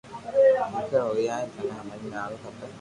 ڪيڪر ھون ئي ٿني ھمج آوي کپي